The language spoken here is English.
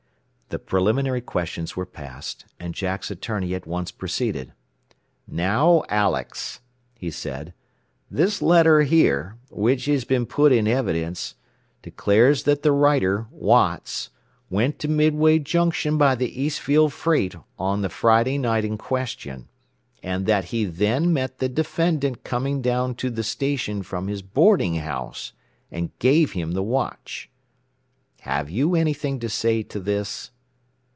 The preliminary questions were passed, and Jack's attorney at once proceeded. "Now Alex," he said, "this letter here, which has been put in evidence, declares that the writer, Watts, went to Midway Junction by the Eastfield freight on the Friday night in question, and that he then met the defendant coming down to the station from his boarding house, and gave him the watch. "Have you anything to say to this?"